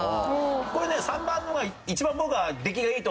これね３番のが一番僕は出来がいいと思うんですよ。